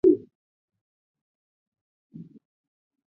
佛家也有一套养生之道。